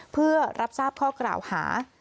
เพื่อรับทราบข้อกล่าวหา